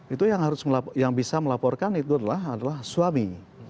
itu yang harus yang bisa melaporkan itu adalah suami